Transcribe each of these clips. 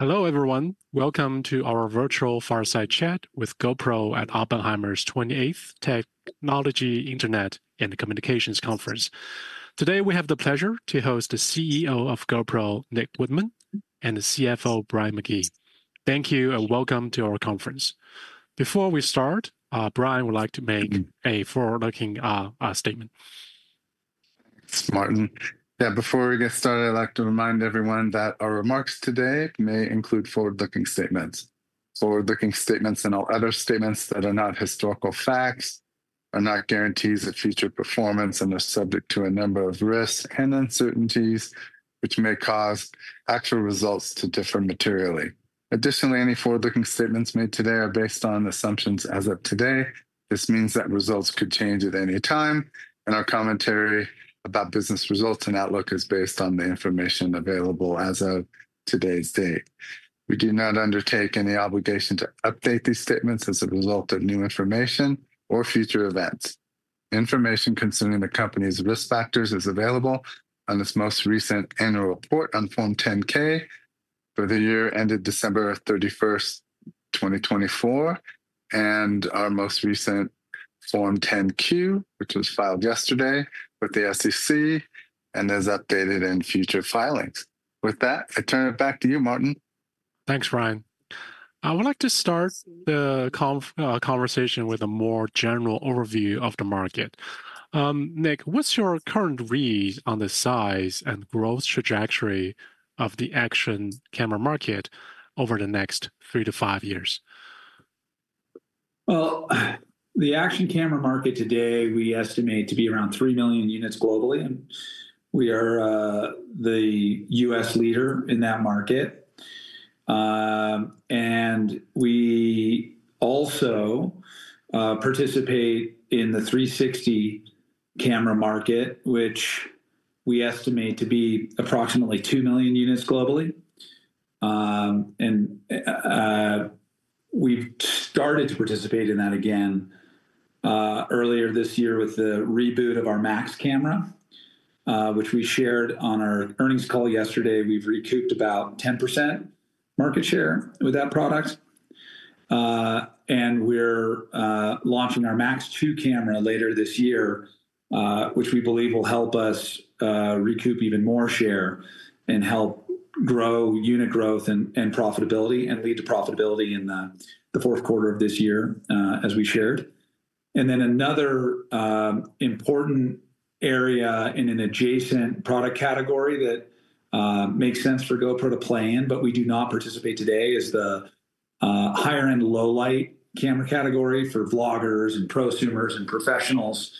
Hello everyone, welcome to our virtual fireside chat with GoPro at Oppenheimer's 28th Technology, Internet, and Communications Conference. Today, we have the pleasure to host the CEO of GoPro, Nick Woodman, and the CFO, Brian McGee. Thank you and welcome to our conference. Before we start, Brian would like to make a forward-looking statement. Martin, before we get started, I'd like to remind everyone that our remarks today may include forward-looking statements. Forward-looking statements and all other statements that are not historical facts are not guarantees of future performance and are subject to a number of risks and uncertainties which may cause actual results to differ materially. Additionally, any forward-looking statements made today are based on assumptions as of today. This means that results could change at any time, and our commentary about business results and outlook is based on the information available as of today's date. We do not undertake any obligation to update these statements as a result of new information or future events. Information concerning the company's risk factors is available on its most recent annual report on Form 10-K for the year ended December 31, 2024, and our most recent Form 10-Q, which was filed yesterday with the SEC and is updated in future filings. With that, I turn it back to you, Martin. Thanks, Brian. I would like to start the conversation with a more general overview of the market. Nick, what's your current read on the size and growth trajectory of the action camera market over the next three to five years? The action camera market today we estimate to be around 3 million units globally, and we are the U.S. leader in that market. We also participate in the 360 camera market, which we estimate to be approximately 2 million units globally. We have started to participate in that again earlier this year with the reboot of our Max camera, which we shared on our earnings call yesterday. We have recouped about 10% market share with that product. We are launching our Max 2 camera later this year, which we believe will help us recoup even more share and help grow unit growth and profitability and lead to profitability in the fourth quarter of this year, as we shared. Another important area in an adjacent product category that makes sense for GoPro to play in, but we do not participate today, is the high-end low-light camera category for vloggers and prosumers and professionals.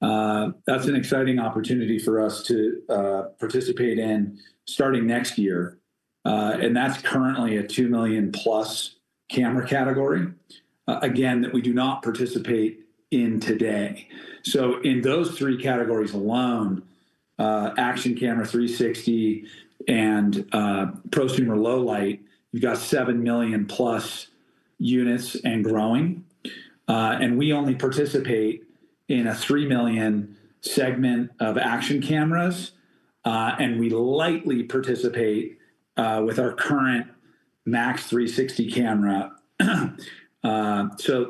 That's an exciting opportunity for us to participate in starting next year. That is currently a 2 million plus camera category, again, that we do not participate in today. In those three categories alone, action camera, 360, and prosumer low light, you've got 7 million plus units and growing. We only participate in a 3 million segment of action cameras, and we lightly participate with our current Max 360 camera.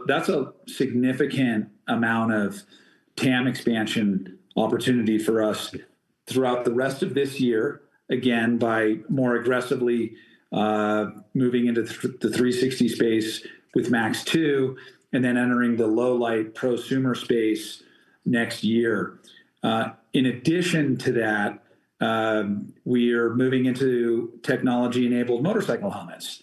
That is a significant amount of TAM expansion opportunity for us throughout the rest of this year, again, by more aggressively moving into the 360 space with Max 2 and then entering the low-light prosumer space next year. In addition to that, we are moving into technology-enabled motorcycle helmets,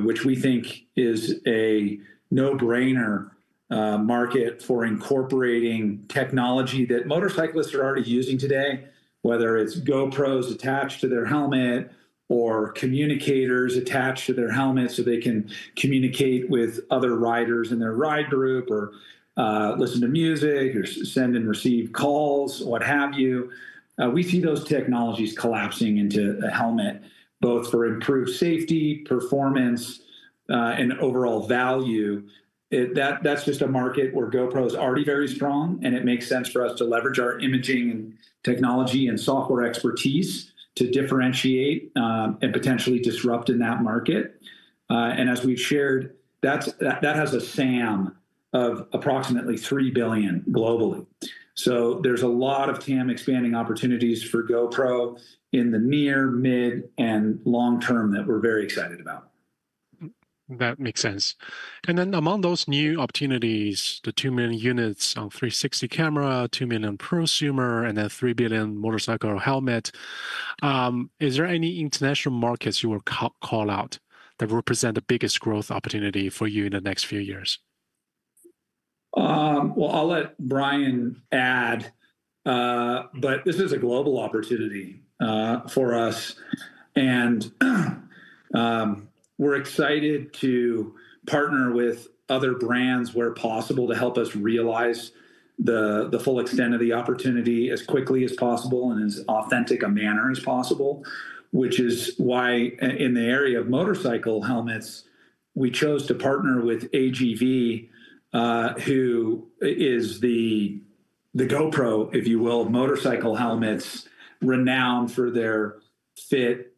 which we think is a no-brainer market for incorporating technology that motorcyclists are already using today, whether it's GoPros attached to their helmet or communicators attached to their helmet so they can communicate with other riders in their ride group or listen to music or send and receive calls, what have you. We see those technologies collapsing into a helmet, both for improved safety, performance, and overall value. That is just a market where GoPro is already very strong, and it makes sense for us to leverage our imaging and technology and software expertise to differentiate and potentially disrupt in that market. As we've shared, that has a SAM of approximately $3 billion globally. There are a lot of TAM expanding opportunities for GoPro in the near, mid, and long term that we're very excited about. That makes sense. Among those new opportunities, the 2 million units on 360 camera, 2 million prosumer, and 3 billion motorcycle helmet, is there any international markets you would call out that represent the biggest growth opportunity for you in the next few years? I will let Brian add, but this is a global opportunity for us. We are excited to partner with other brands where possible to help us realize the full extent of the opportunity as quickly as possible and in as authentic a manner as possible, which is why in the area of motorcycle helmets, we chose to partner with AGV, who is the GoPro, if you will, of motorcycle helmets, renowned for their fit,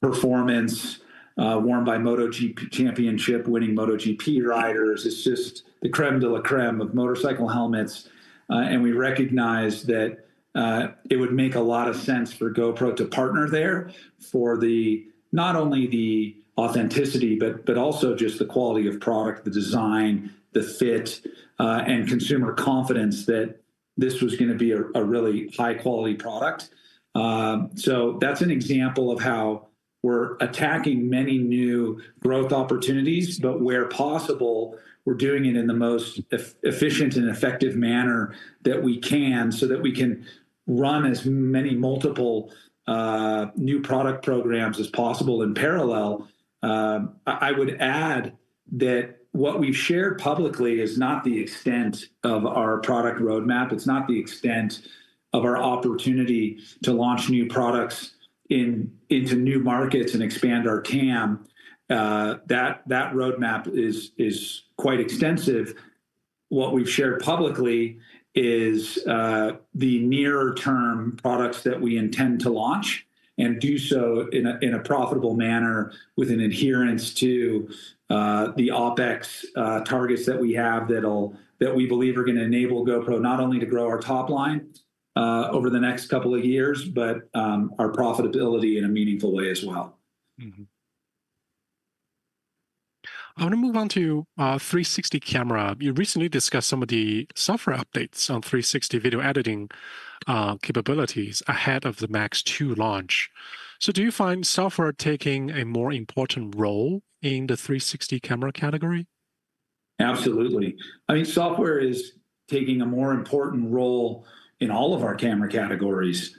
performance, worn by MotoGP championship-winning MotoGP riders. It is just the crème de la crème of motorcycle helmets. We recognize that it would make a lot of sense for GoPro to partner there for not only the authenticity, but also just the quality of product, the design, the fit, and consumer confidence that this was going to be a really high-quality product. That is an example of how we are attacking many new growth opportunities, but where possible, we are doing it in the most efficient and effective manner that we can so that we can run as many multiple new product programs as possible in parallel. I would add that what we have shared publicly is not the extent of our product roadmap. It is not the extent of our opportunity to launch new products into new markets and expand our TAM. That roadmap is quite extensive. What we have shared publicly is the nearer-term products that we intend to launch and do so in a profitable manner with an adherence to the OpEx targets that we have that we believe are going to enable GoPro not only to grow our top line over the next couple of years, but our profitability in a meaningful way as well. I want to move on to 360 camera. You recently discussed some of the software updates on 360 video editing capabilities ahead of the Max 2 launch. Do you find software taking a more important role in the 360 camera category? Absolutely. I mean, software is taking a more important role in all of our camera categories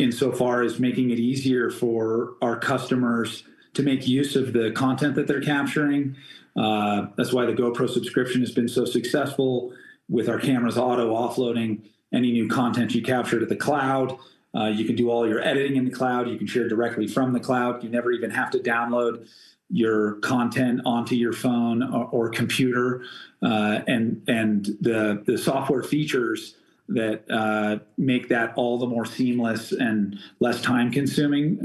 insofar as making it easier for our customers to make use of the content that they're capturing. That's why the GoPro subscription has been so successful with our cameras auto-offloading any new content you capture to the cloud. You can do all your editing in the cloud. You can share directly from the cloud. You never even have to download your content onto your phone or computer. The software features that make that all the more seamless and less time-consuming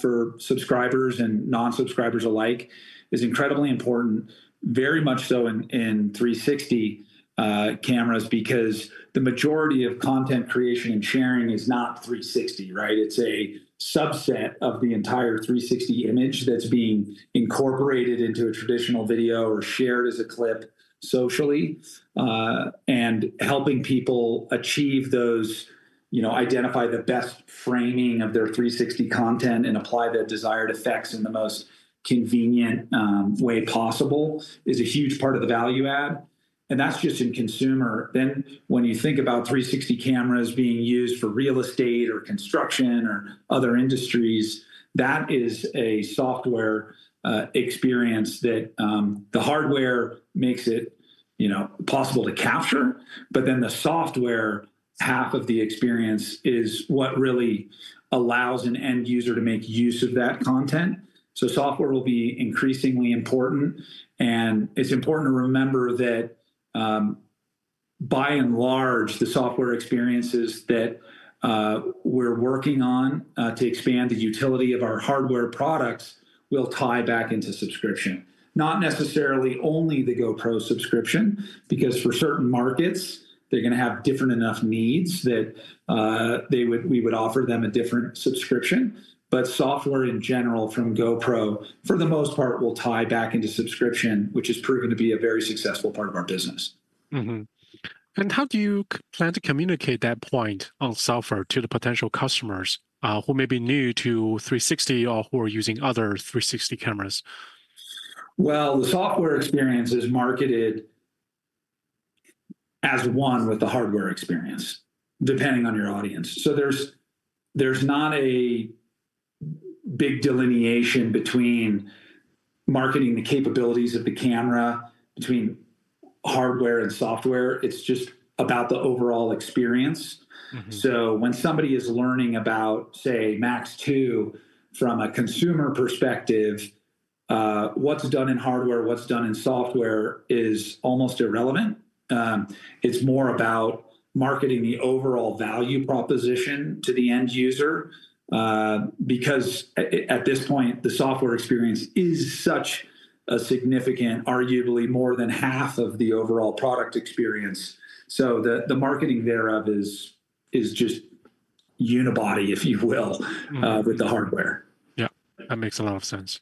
for subscribers and non-subscribers alike is incredibly important, very much so in 360 cameras because the majority of content creation and sharing is not 360, right? It's a subset of the entire 360 image that's being incorporated into a traditional video or shared as a clip socially. Helping people achieve those, you know, identify the best framing of their 360 content and apply the desired effects in the most convenient way possible is a huge part of the value add. That's just in consumer. When you think about 360 cameras being used for real estate or construction or other industries, that is a software experience that the hardware makes it possible to capture, but then the software half of the experience is what really allows an end user to make use of that content. Software will be increasingly important. It's important to remember that by and large, the software experiences that we're working on to expand the utility of our hardware products will tie back into subscription. Not necessarily only the GoPro subscription because for certain markets, they're going to have different enough needs that we would offer them a different subscription. Software in general from GoPro, for the most part, will tie back into subscription, which has proven to be a very successful part of our business. How do you plan to communicate that point on software to the potential customers who may be new to 360 or who are using other 360 cameras? The software experience is marketed as one with the hardware experience, depending on your audience. There's not a big delineation between marketing the capabilities of the camera, between hardware and software. It's just about the overall experience. When somebody is learning about, say, Max 2 from a consumer perspective, what's done in hardware, what's done in software is almost irrelevant. It's more about marketing the overall value proposition to the end user because at this point, the software experience is such a significant, arguably more than half of the overall product experience. The marketing thereof is just unibody, if you will, with the hardware. Yeah, that makes a lot of sense.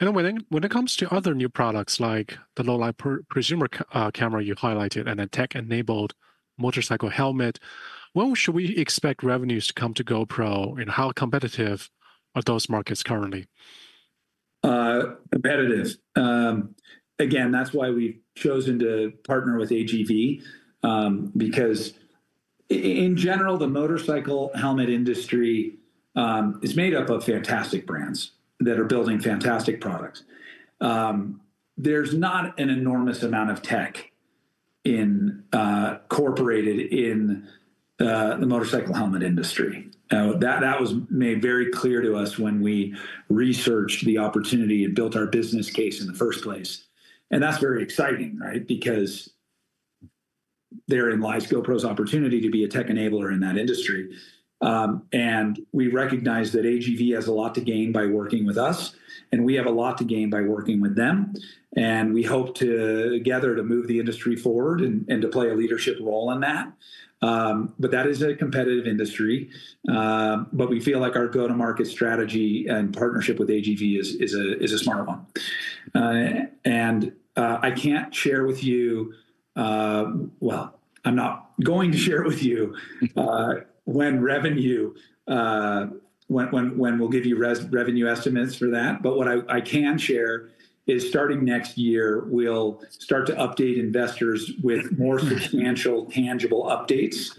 When it comes to other new products like the high-end low-light prosumer camera you highlighted and a tech-enabled motorcycle helmet, where should we expect revenues to come to GoPro, and how competitive are those markets currently? Competitive. Again, that's why we've chosen to partner with AGV because in general, the motorcycle helmet industry is made up of fantastic brands that are building fantastic products. There's not an enormous amount of tech incorporated in the motorcycle helmet industry. That was made very clear to us when we researched the opportunity and built our business case in the first place. That's very exciting, right? Because therein lies GoPro's opportunity to be a tech enabler in that industry. We recognize that AGV has a lot to gain by working with us, and we have a lot to gain by working with them. We hope together to move the industry forward and to play a leadership role in that. That is a competitive industry. We feel like our go-to-market strategy and partnership with AGV is a smart one. I can't share with you, I'm not going to share with you when we'll give you revenue estimates for that. What I can share is starting next year, we'll start to update investors with more substantial, tangible updates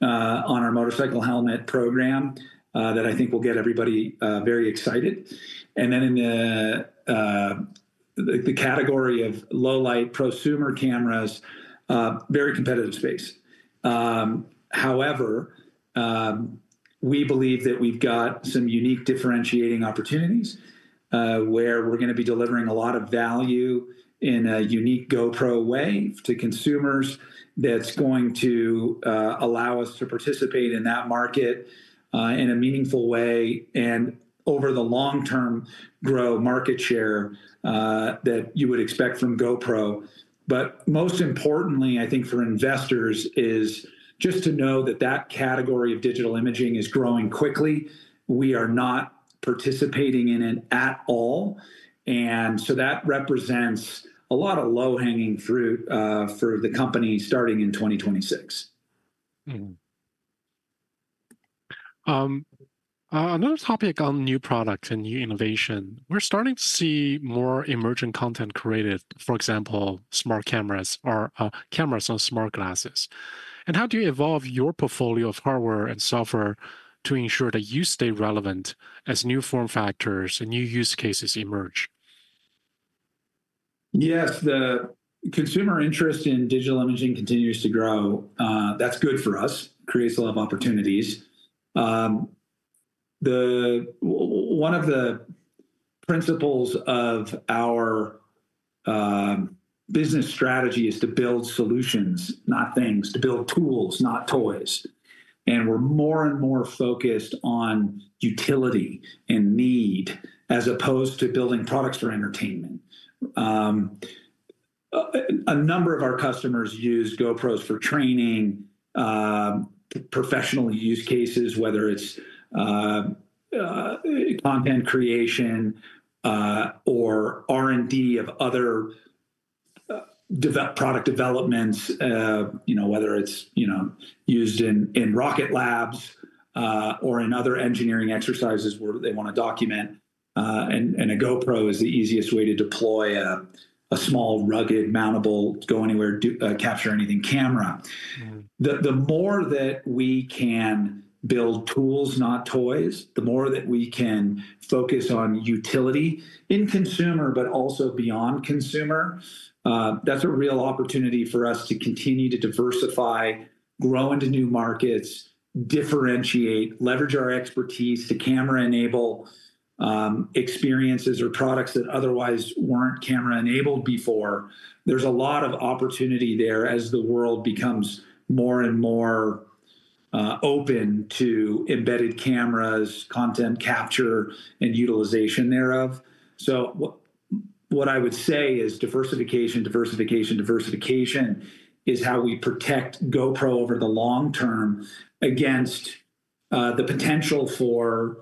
on our motorcycle helmet program that I think will get everybody very excited. In the category of low-light prosumer cameras, very competitive space. However, we believe that we've got some unique differentiating opportunities where we're going to be delivering a lot of value in a unique GoPro way to consumers that's going to allow us to participate in that market in a meaningful way and over the long term grow market share that you would expect from GoPro. Most importantly, I think for investors is just to know that that category of digital imaging is growing quickly. We are not participating in it at all. That represents a lot of low-hanging fruit for the company starting in 2026. Another topic on new products and new innovation, we're starting to see more emerging content created, for example, smart cameras or cameras on smart glasses. How do you evolve your portfolio of hardware and software to ensure that you stay relevant as new form factors and new use cases emerge? Yes, the consumer interest in digital imaging continues to grow. That's good for us. It creates a lot of opportunities. One of the principles of our business strategy is to build solutions, not things, to build tools, not toys. We're more and more focused on utility and need as opposed to building products for entertainment. A number of our customers use GoPros for training, professional use cases, whether it's content creation or R&D of other product developments, whether it's used in rocket labs or in other engineering exercises where they want to document. A GoPro is the easiest way to deploy a small, rugged, mountable, go anywhere, capture anything camera. The more that we can build tools, not toys, the more that we can focus on utility in consumer, but also beyond consumer, that's a real opportunity for us to continue to diversify, grow into new markets, differentiate, leverage our expertise to camera-enable experiences or products that otherwise weren't camera-enabled before. There's a lot of opportunity there as the world becomes more and more open to embedded cameras, content capture, and utilization thereof. What I would say is diversification, diversification, diversification is how we protect GoPro over the long term against the potential for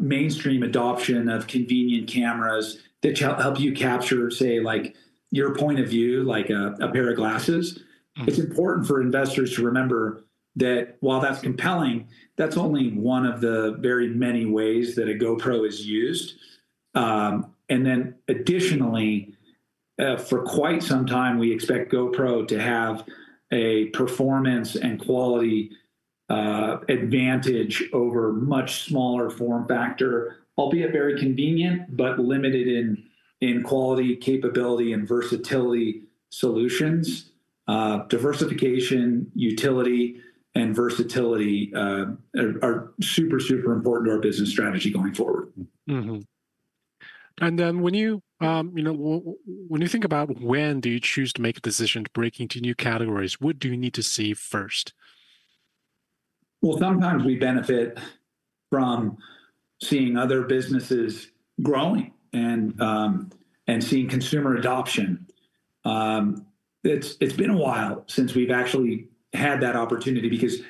mainstream adoption of convenient cameras that help you capture, say, like your point of view, like a pair of glasses. It's important for investors to remember that while that's compelling, that's only one of the very many ways that a GoPro is used. Additionally, for quite some time, we expect GoPro to have a performance and quality advantage over much smaller form factor, albeit very convenient, but limited in quality, capability, and versatility solutions. Diversification, utility, and versatility are super, super important to our business strategy going forward. When you think about when you choose to make a decision to break into new categories, what do you need to see first? Sometimes we benefit from seeing other businesses growing and seeing consumer adoption. It's been a while since we've actually had that opportunity because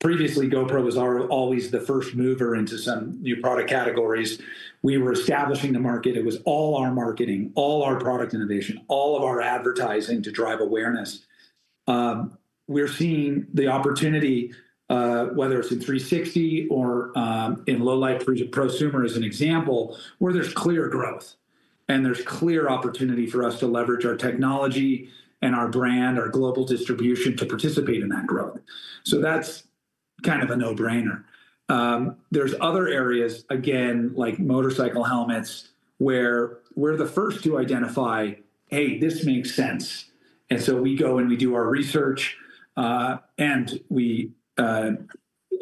previously, GoPro was always the first mover into some new product categories. We were establishing the market. It was all our marketing, all our product innovation, all of our advertising to drive awareness. We're seeing the opportunity, whether it's in 360 or in low-light prosumer as an example, where there's clear growth and there's clear opportunity for us to leverage our technology and our brand, our global distribution to participate in that growth. That's kind of a no-brainer. There are other areas, again, like motorcycle helmets, where we're the first to identify, hey, this makes sense. We go and we do our research and we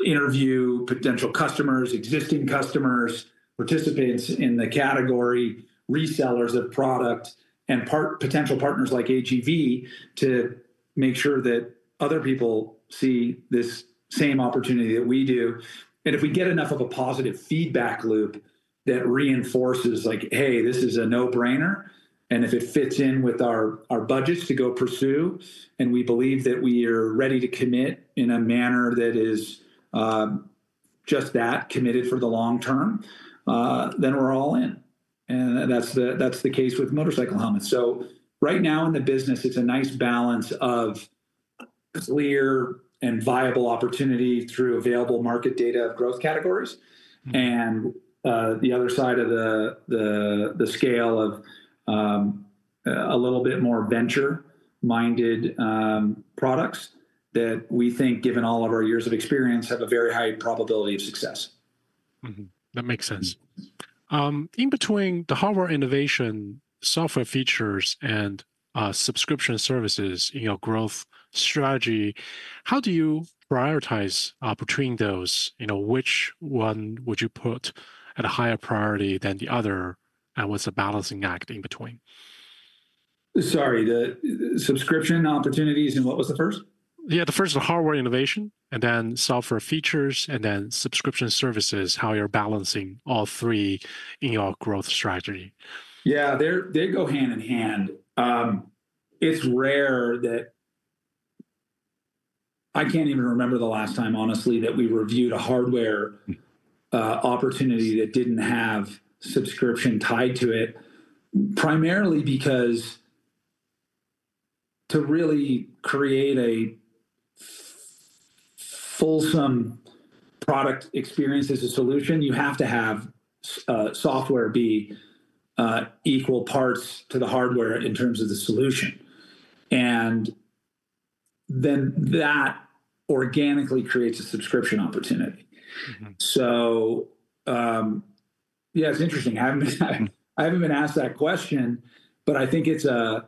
interview potential customers, existing customers, participants in the category, resellers of product, and potential partners like AGV to make sure that other people see this same opportunity that we do. If we get enough of a positive feedback loop that reinforces like, hey, this is a no-brainer, and if it fits in with our budgets to go pursue, and we believe that we are ready to commit in a manner that is just that committed for the long term, then we're all in. That's the case with motorcycle helmets. Right now in the business, it's a nice balance of clear and viable opportunity through available market data of growth categories. The other side of the scale is a little bit more venture-minded products that we think, given all of our years of experience, have a very high probability of success. That makes sense. In between the hardware innovation, software features, and subscription services in your growth strategy, how do you prioritize between those? Which one would you put at a higher priority than the other? What's the balancing act in between? Sorry, the subscription opportunities, and what was the first? Yeah, the first is hardware innovation, then software features, and then subscription services, how you're balancing all three in your growth strategy. Yeah, they go hand in hand. It's rare that I can't even remember the last time, honestly, that we reviewed a hardware opportunity that didn't have subscription tied to it, primarily because to really create a wholesome product experience as a solution, you have to have software be equal parts to the hardware in terms of the solution. That organically creates a subscription opportunity. It's interesting. I haven't been asked that question, but I think it's a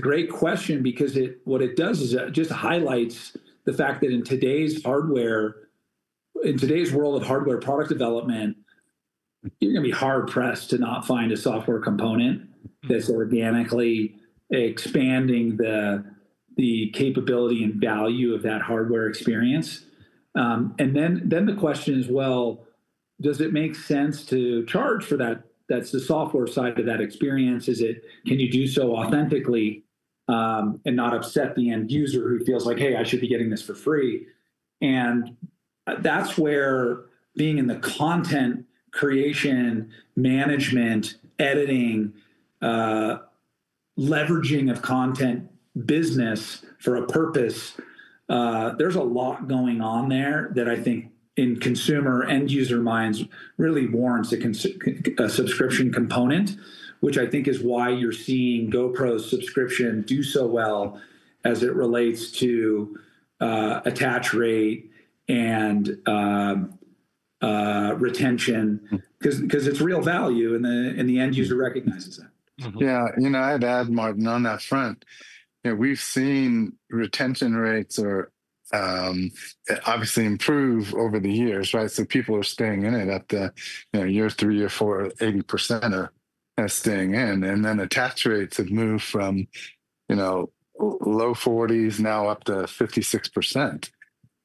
great question because what it does is it just highlights the fact that in today's hardware, in today's world of hardware product development, you're going to be hard-pressed to not find a software component that's organically expanding the capability and value of that hardware experience. The question is, does it make sense to charge for that? That's the software side of that experience. Can you do so authentically and not upset the end user who feels like, hey, I should be getting this for free? That's where being in the content creation, management, editing, leveraging of content business for a purpose, there's a lot going on there that I think in consumer end user minds really warrants a subscription component, which I think is why you're seeing GoPro subscription do so well as it relates to attach rate and retention because it's real value and the end user recognizes that. Yeah, you know, I'd add, Martin, on that front, we've seen retention rates obviously improve over the years, right? People are staying in it at the year three, year four, 80% are staying in. Attach rates have moved from low 40s now up to 56%.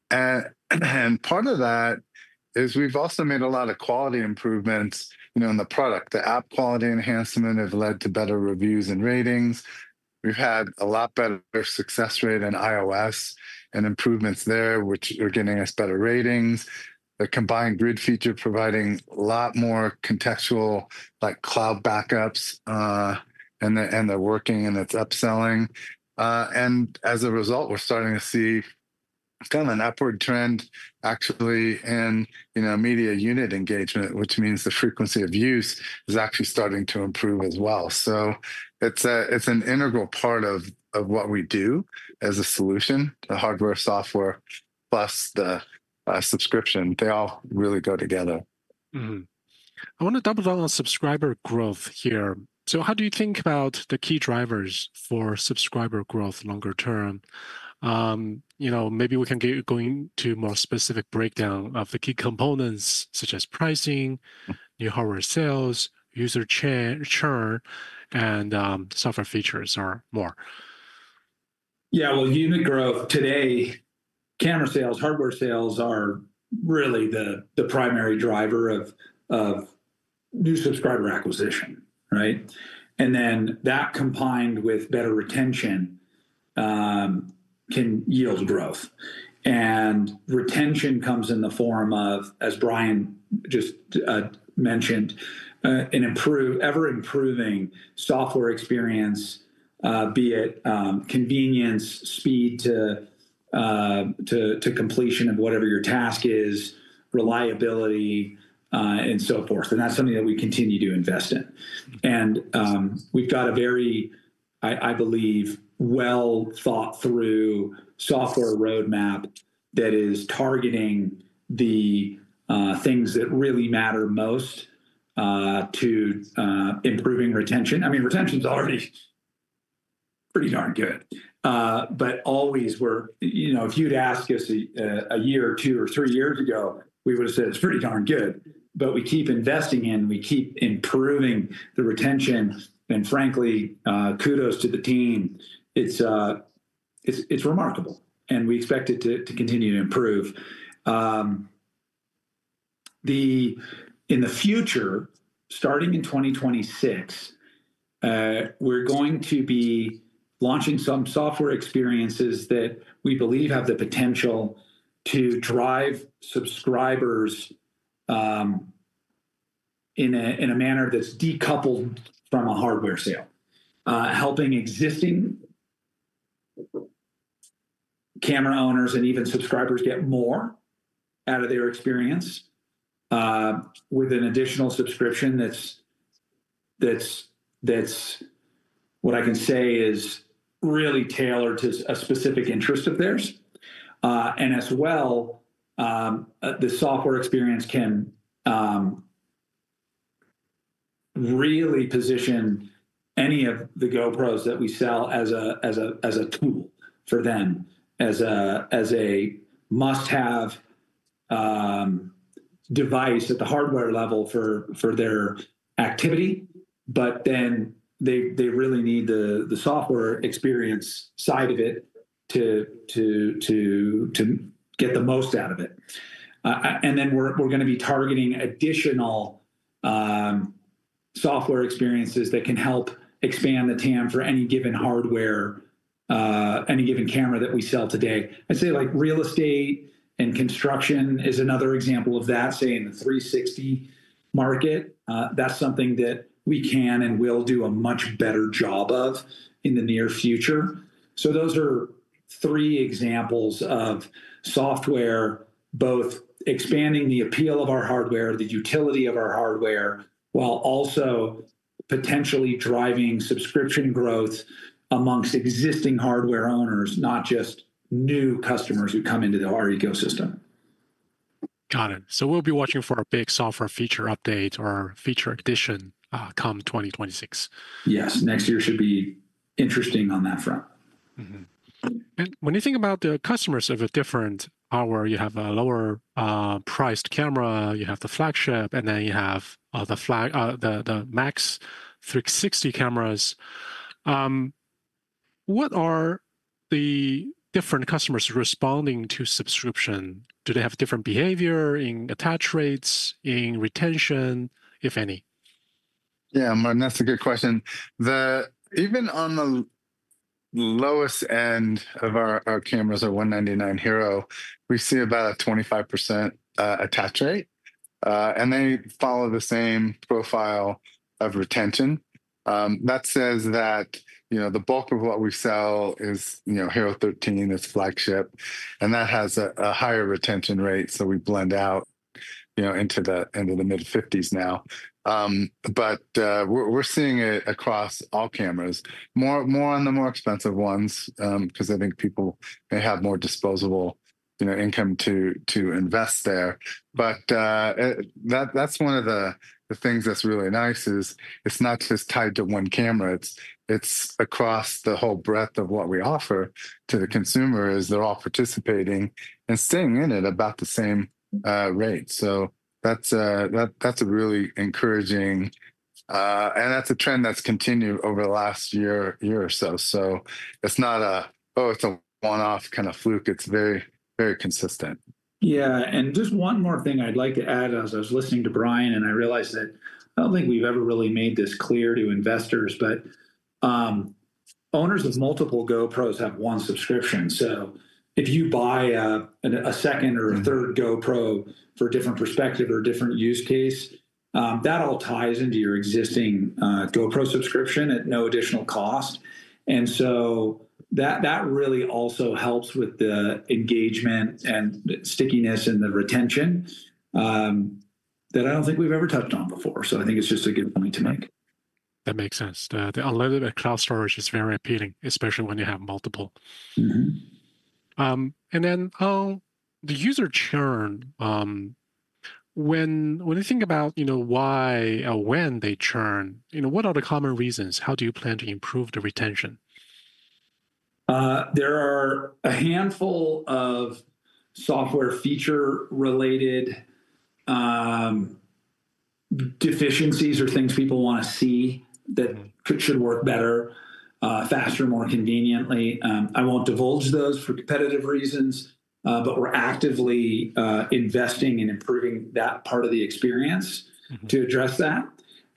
Part of that is we've also made a lot of quality improvements in the product. The app quality enhancement has led to better reviews and ratings. We've had a lot better success rate in iOS and improvements there, which are getting us better ratings. The combined grid feature providing a lot more contextual, like cloud backups, and they're working and it's upselling. As a result, we're starting to see kind of an upward trend actually in media unit engagement, which means the frequency of use is actually starting to improve as well. It's an integral part of what we do as a solution, the hardware, software, plus the subscription. They all really go together. I want to double down on subscriber growth here. How do you think about the key drivers for subscriber growth longer term? Maybe we can get going to a more specific breakdown of the key components such as pricing, new hardware sales, user churn, and software features or more. Yeah, unit growth today, camera sales, hardware sales are really the primary driver of new subscriber acquisition, right? That combined with better retention can yield growth. Retention comes in the form of, as Brian just mentioned, an ever-improving software experience, be it convenience, speed to completion of whatever your task is, reliability, and so forth. That's something that we continue to invest in. We've got a very, I believe, well-thought-through software roadmap that is targeting the things that really matter most to improving retention. Retention is already pretty darn good. If you'd ask us a year or two or three years ago, we would have said it's pretty darn good. We keep investing in, we keep improving the retention. Frankly, kudos to the team. It's remarkable. We expect it to continue to improve. In the future, starting in 2026, we're going to be launching some software experiences that we believe have the potential to drive subscribers in a manner that's decoupled from a hardware sale, helping existing camera owners and even subscribers get more out of their experience with an additional subscription that's really tailored to a specific interest of theirs. As well, the software experience can really position any of the GoPros that we sell as a tool for them, as a must-have device at the hardware level for their activity. They really need the software experience side of it to get the most out of it. We're going to be targeting additional software experiences that can help expand the TAM for any given hardware, any given camera that we sell today. I'd say real estate and construction is another example of that, say in the 360 market. That's something that we can and will do a much better job of in the near future. Those are three examples of software, both expanding the appeal of our hardware, the utility of our hardware, while also potentially driving subscription growth amongst existing hardware owners, not just new customers who come into our ecosystem. Got it. We'll be watching for a big software feature update or feature addition come 2026. Yes, next year should be interesting on that front. When you think about the customers of different hardware, you have a lower priced camera, you have the flagship, and then you have the MAX 360 cameras. What are the different customers responding to subscription? Do they have different behavior in attach rates, in retention, if any? Yeah, Martin, that's a good question. Even on the lowest end of our cameras, our $199 HERO, we see about a 25% attach rate. They follow the same profile of retention. That says that the bulk of what we sell is HERO13 Black, which is flagship, and that has a higher retention rate. We blend out into the mid-50s now. We're seeing it across all cameras, more on the more expensive ones, because I think people may have more disposable income to invest there. One of the things that's really nice is it's not just tied to one camera. It's across the whole breadth of what we offer to the consumer, as they're all participating and staying in it at about the same rate. That's really encouraging, and that's a trend that's continued over the last year, year or so. It's not a one-off kind of fluke. It's very, very consistent. Yeah, just one more thing I'd like to add as I was listening to Brian, I realized that I don't think we've ever really made this clear to investors, but owners of multiple GoPros have one subscription. If you buy a second or a third GoPro for a different perspective or a different use case, that all ties into your existing GoPro subscription at no additional cost. That really also helps with the engagement and stickiness and the retention that I don't think we've ever touched on before. I think it's just a good point to make. That makes sense. The unlimited cloud storage is very appealing, especially when you have multiple. When you think about, you know, why or when they churn, what are the common reasons? How do you plan to improve the retention? There are a handful of software feature-related deficiencies or things people want to see that should work better, faster, more conveniently. I won't divulge those for competitive reasons, but we're actively investing in improving that part of the experience to address that.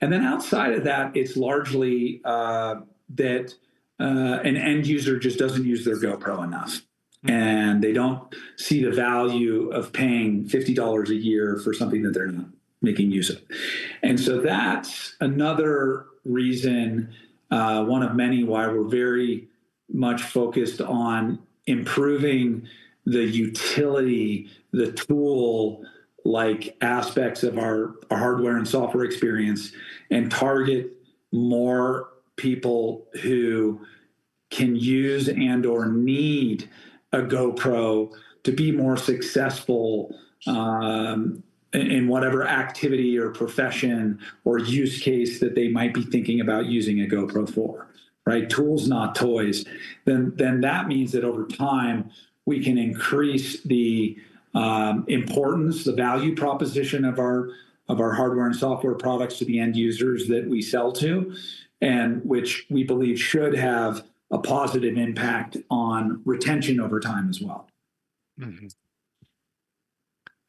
Outside of that, it's largely that an end user just doesn't use their GoPro enough, and they don't see the value of paying $50 a year for something that they're not making use of. That's another reason, one of many, why we're very much focused on improving the utility, the tool-like aspects of our hardware and software experience and target more people who can use and/or need a GoPro to be more successful in whatever activity or profession or use case that they might be thinking about using a GoPro for. Right? Tools, not toys. That means that over time, we can increase the importance, the value proposition of our hardware and software products to the end users that we sell to, which we believe should have a positive impact on retention over time as well.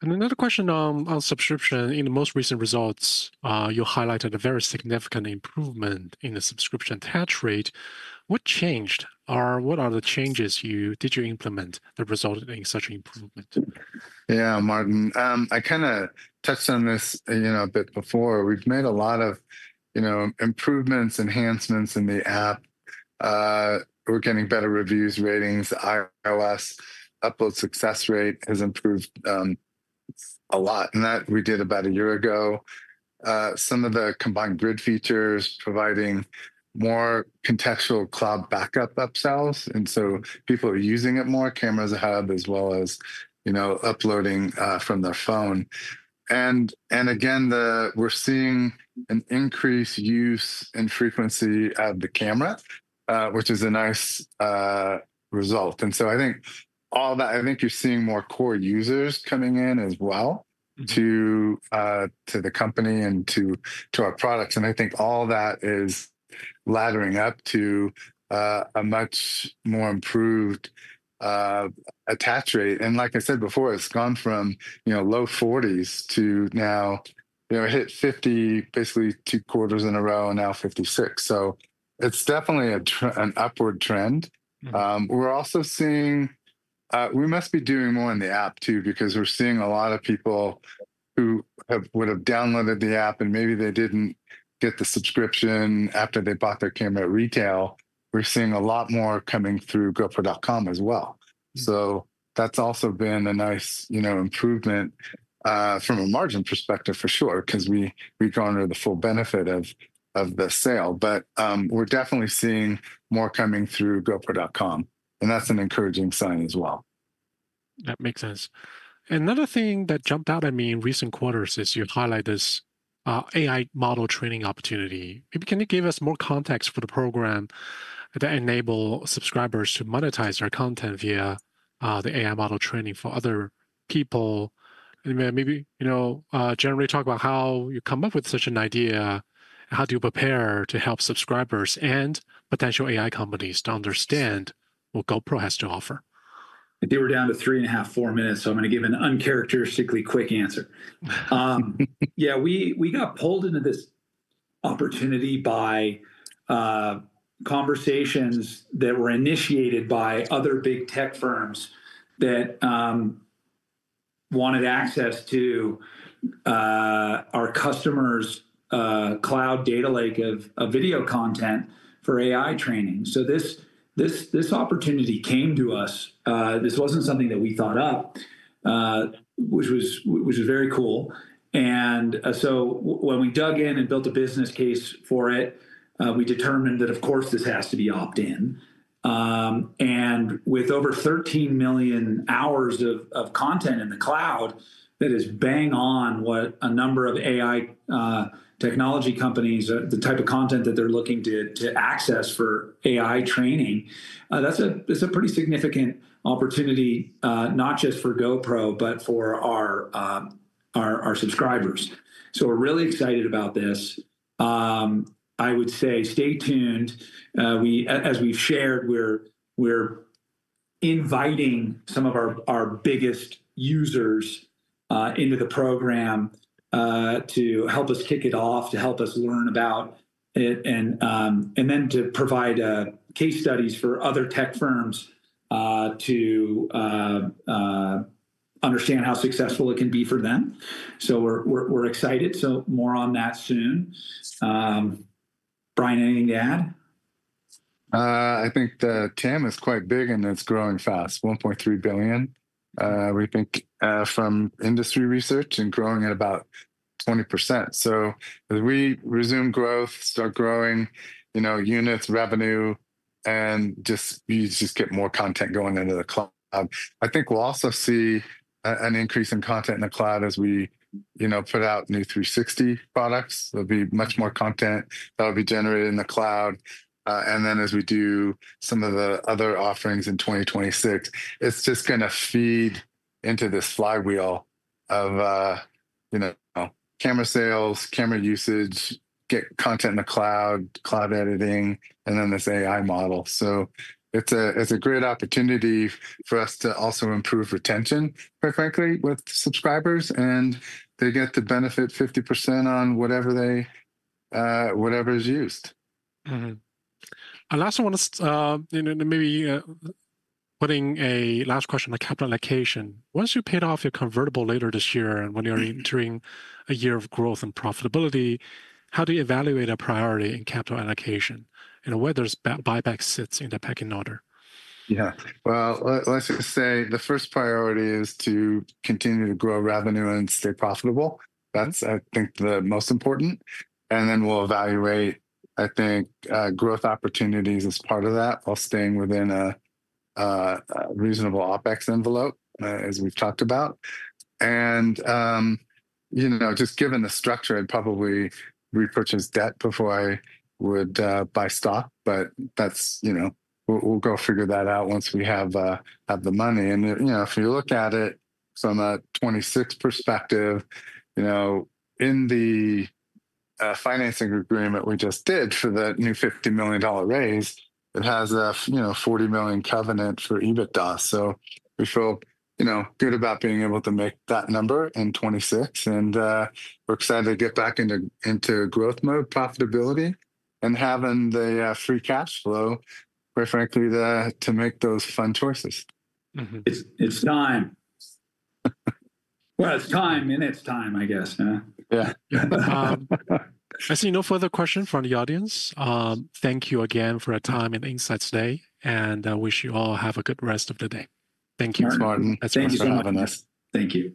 Another question on subscription. In the most recent results, you highlighted a very significant improvement in the subscription attach rate. What changed? What are the changes you implemented that resulted in such an improvement? Yeah, Martin, I kind of touched on this a bit before. We've made a lot of improvements, enhancements in the app. We're getting better reviews, ratings. The iOS upload success rate has improved a lot, and that we did about a year ago. Some of the combined grid features are providing more contextual cloud backup upsells. People are using it more, cameras have as well as uploading from their phone. We're seeing an increased use and frequency of the camera, which is a nice result. I think you're seeing more core users coming in as well to the company and to our products. I think all that is laddering up to a much more improved attach rate. Like I said before, it's gone from low 40s to now hit 50, basically two quarters in a row, and now 56%. It's definitely an upward trend. We're also seeing we must be doing more in the app too, because we're seeing a lot of people who would have downloaded the app and maybe they didn't get the subscription after they bought their camera at retail. We're seeing a lot more coming through GoPro.com as well. That's also been a nice improvement from a margin perspective for sure, because we've gotten the full benefit of the sale. We're definitely seeing more coming through GoPro.com, and that's an encouraging sign as well. That makes sense. Another thing that jumped out at me in recent quarters is you highlight this AI model training opportunity. Can you give us more context for the program that enables subscribers to monetize their content via the AI model training for other people? Maybe, you know, generally talk about how you come up with such an idea and how you prepare to help subscribers and potential AI companies to understand what GoPro has to offer. I think we're down to three and a half, four minutes, so I'm going to give an uncharacteristically quick answer. Yeah, we got pulled into this opportunity by conversations that were initiated by other big tech firms that wanted access to our customers' cloud data lake of video content for AI training. This opportunity came to us. This wasn't something that we thought of, which was very cool. When we dug in and built a business case for it, we determined that, of course, this has to be opt-in. With over 13 million hours of content in the cloud, that is bang on what a number of AI technology companies, the type of content that they're looking to access for AI training, that's a pretty significant opportunity, not just for GoPro, but for our subscribers. We're really excited about this. I would say stay tuned. As we've shared, we're inviting some of our biggest users into the program to help us kick it off, to help us learn about it, and to provide case studies for other tech firms to understand how successful it can be for them. We're excited. More on that soon. Brian, anything to add? I think the TAM is quite big and it's growing fast, $1.3 billion. We think from industry research and growing at about 20%. As we resume growth, start growing units, revenue, and just get more content going into the cloud, I think we'll also see an increase in content in the cloud as we put out new 360 products. There'll be much more content that'll be generated in the cloud. As we do some of the other offerings in 2026, it's just going to feed into this flywheel of camera sales, camera usage, get content in the cloud, cloud editing, and then this AI model. It's a great opportunity for us to also improve retention, quite frankly, with subscribers, and they get to benefit 50% on whatever is used. I also want to maybe put a last question on capital allocation. Once you paid off your convertible later this year, and when you're entering a year of growth and profitability, how do you evaluate a priority in capital allocation? You know, whether buyback sits in the pecking order? Yeah, the first priority is to continue to grow revenue and stay profitable. That's, I think, the most important. Then we'll evaluate, I think, growth opportunities as part of that, while staying within a reasonable OpEx envelope, as we've talked about. Just given the structure, I'd probably repurchase debt before I would buy stock. That's, you know, we'll go figure that out once we have the money. If you look at it from a 2026 perspective, in the financing agreement we just did for the new $50 million raise, it has a $40 million covenant for EBITDA. We feel good about being able to make that number in 2026. We're excited to get back into growth mode, profitability, and having the free cash flow, quite frankly, to make those fun choices. It's time. It's time in its time, I guess. Yeah. I see no further questions from the audience. Thank you again for your time and insights today. I wish you all have a good rest of the day. Thank you for our... Thank you, everyone. Thank you.